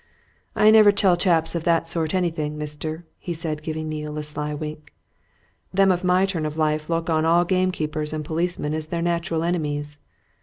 "I never tell chaps of that sort anything, mister," he said, giving Neale a sly wink. "Them of my turn of life look on all gamekeepers and policemen as their natural enemies.